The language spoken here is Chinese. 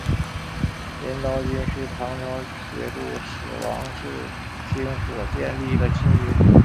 银刀军是唐朝节度使王智兴所建立的亲军。